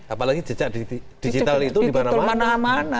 apalagi jejak digital itu di mana mana